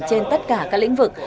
trên tất cả các lĩnh vực